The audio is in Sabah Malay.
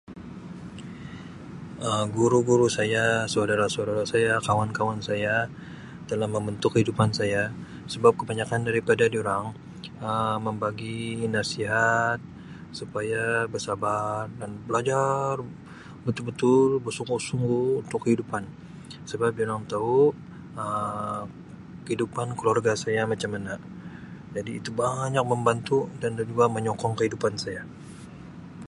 Um Guru-guru saya, saudara-saudara saya, kawan-kawan saya telah membentuk kehidupan saya sebab kebanyakkan daripada durang Um membagi nasihat supaya bersabar dan belajar betul-betul bersungguh-sungguhuntuk kehidupan sebab durang tahu Um kehidupan keluarga saya macam mana, jadi itu banyak membantu dan juga menyokong kehidupan saya.